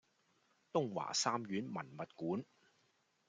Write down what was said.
東華三院文物館